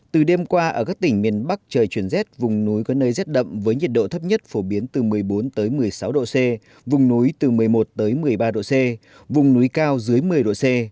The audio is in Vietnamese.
từ đêm qua ở các tỉnh miền bắc trời chuyển rét vùng núi có nơi rét đậm với nhiệt độ thấp nhất phổ biến từ một mươi bốn một mươi sáu độ c vùng núi từ một mươi một một mươi ba độ c vùng núi cao dưới một mươi độ c